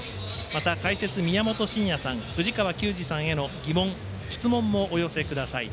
また、解説、宮本慎也さん藤川球児さんへの疑問質問もお寄せください。